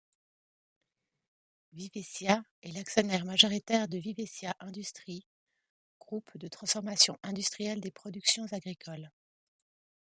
Vivescia est l'actionnaire majoritaire de Vivescia Industries, groupe de transformation industrielle des productions agricoles.